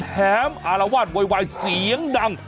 แถมอารวาสวัยเสียงดัง